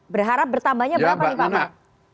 berharap bertambahnya berapa nih pak amin